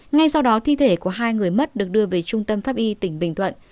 ngay sau đó thi thể của hai người mất được đưa về trung tâm pháp y tỉnh bình thuận